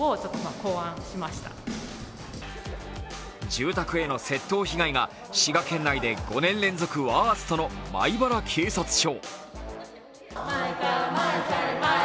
住宅への窃盗被害が滋賀県内で５年連続ワーストの米原警察署。